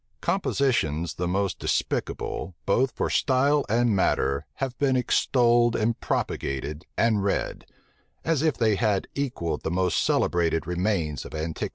Compositions the most despicable, both for style and matter, have been extolled, and propagated, and read; as if they had equalled the most celebrated remains of antiquity.